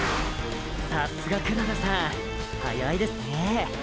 さっすが黒田さん速いですねー。